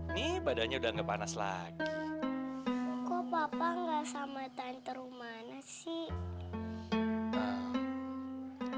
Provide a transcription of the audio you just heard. ini badannya udah ngepanas lagi kok papa nggak sama tante rumana sih